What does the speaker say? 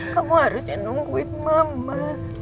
kamu harusnya nungguin mama